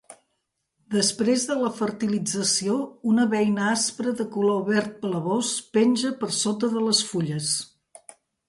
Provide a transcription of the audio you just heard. Després de la fertilització, una beina aspra de color verd-blavós penja per sota de les fulles.